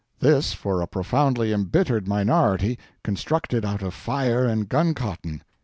This, for a profoundly embittered minority constructed out of fire and gun cotton!